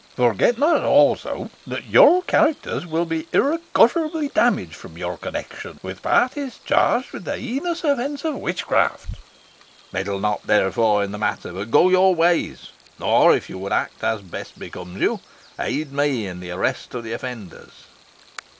Forget not, also, that your characters will be irrecoverably damaged from your connexion with parties charged with the heinous offence of witchcraft. Meddle not, therefore, in the matter, but go your ways, or, if you would act as best becomes you, aid me in the arrest of the offenders."